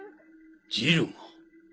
ジルが？